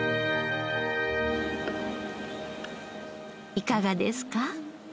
いかがですか？